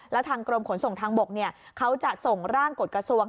แล้วทางกรมขนส่งทางบกเขาจะส่งร่างกฎกระทรวง